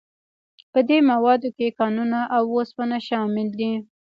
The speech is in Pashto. په دې موادو کې کانونه او اوسپنه شامل دي.